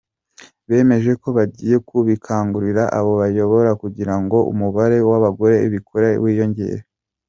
Bemeje ko bagiye kubikangurira abo bayobora kugira ngo umubare w’abagore bikorera wiyongere.